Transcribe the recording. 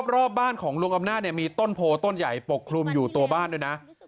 รอบบ้านของลุงอำนาจมีต้นโพต้นใหญ่ปกคลุมอยู่ตัวบ้านด้วยนะ